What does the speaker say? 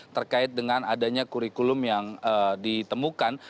terkait dengan adanya kurikulum yang ditemukan